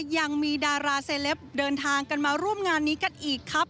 ยังมีดาราเซล็ปเดินทางกันมาร่วมงานนี้ค่ะ